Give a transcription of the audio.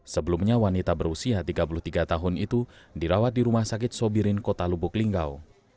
sebelumnya wanita berusia tiga puluh tiga tahun itu dirawat di rumah sakit sobirin kota lubuk linggau